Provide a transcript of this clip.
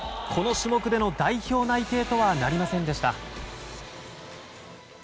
この種目での代表内定とはなりませんでした。